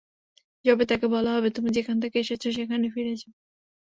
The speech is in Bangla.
জবাবে তাকে বলা হবে, তুমি যেখান থেকে এসেছ সেখানে ফিরে যাও।